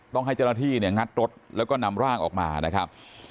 ต้องให้เจ้าหน้าที่เนี่ยงัดรถแล้วก็นำร่างออกมานะครับ